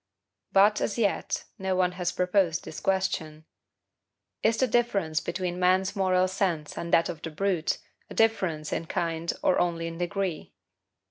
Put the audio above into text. But, as yet, no one has proposed this question: IS THE DIFFERENCE BETWEEN MAN'S MORAL SENSE AND THAT OF THE BRUTE A DIFFERENCE IN KIND OR ONLY IN DEGREE?